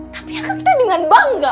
tapi akang teh dengan bangga